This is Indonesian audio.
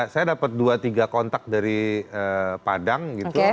saya dapat dua tiga kontak dari padang gitu